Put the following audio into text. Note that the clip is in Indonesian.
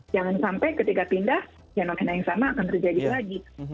jangan sampai ketika pindah fenomena yang sama akan terjadi lagi